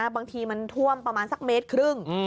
บางทีมันท่วมประมาณสักเมตรครึ่ง